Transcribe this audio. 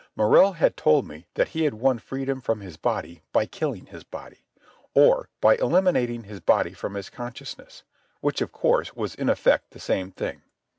Morrell had told me that he had won freedom from his body by killing his body—or by eliminating his body from his consciousness, which, of course, was in effect the same thing.